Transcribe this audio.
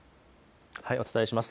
お伝えします。